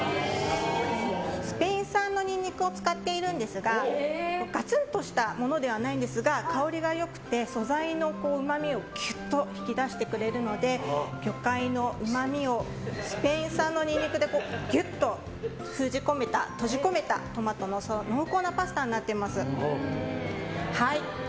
スペイン産のニンニクを使っているんですがガツンとしたものではないんですが香りがよくて、素材のうまみをキュッと引き出してくれるので魚介のうまみをスペイン産のニンニクでギュッと封じ込めたトマトの濃厚なパスタになっています。